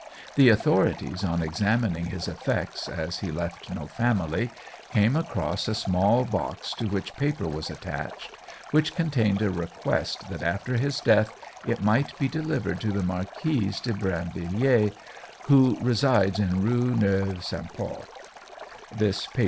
The authorities on examining his effects, as he left no family, came across a small box to which a paper was attached, which contained a request that after his death "it might be delivered to the Marquise de Brinvilliers, who resides in Rue Neuve St. Paul."